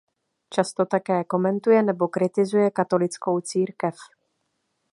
Často také komentuje nebo kritizuje Katolickou církev.